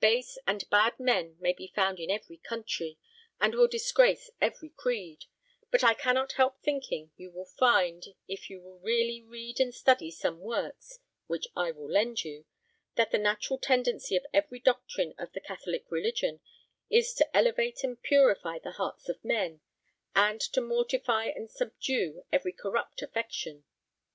Base and bad men may be found in every country, and will disgrace every creed; but I cannot help thinking you will find, if you will really read and study some works which I will lend you, that the natural tendency of every doctrine of the Catholic religion is to elevate and purify the hearts of men, and to mortify and subdue every corrupt affection.